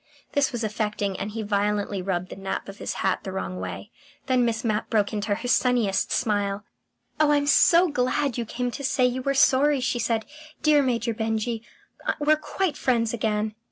This was affecting, and he violently rubbed the nap of his hat the wrong way. ... Then Miss Mapp broke into her sunniest smile. "Oh, I'm so glad you came to say you were sorry!" she said. "Dear Major Benjy, we're quite friends again."